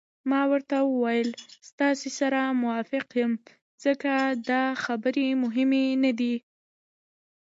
ما ورته وویل: ستاسي سره موافق یم، ځکه دا خبرې مهمې نه دي.